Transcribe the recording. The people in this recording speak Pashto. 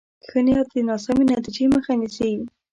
ښه نیت د ناسمې نتیجې مخه نیسي.